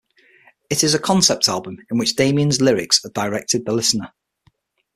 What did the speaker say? It is a concept album in which Damian's lyrics are directed the listener.